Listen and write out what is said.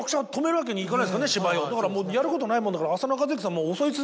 だからやることないもんだから浅野和之さん。